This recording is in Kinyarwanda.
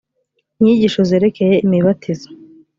inyigisho zerekeye imibatizo.